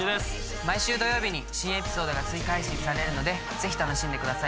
毎週土曜日に新エピソードが追加配信されるのでぜひ楽しんでくださいね。